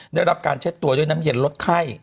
ได้รับการเช็ดตัวด้วยน้ำเย็นลดไข้